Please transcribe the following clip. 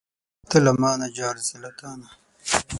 ته له مانه جار، زه له تانه.